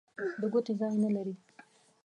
د ګوتې ځای نه لري.